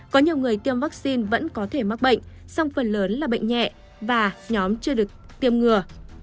có nhiều người tiêm vaccine vẫn có thể mắc bệnh song phần lớn là bệnh nhẹ và nhóm chưa được tiêm ngừa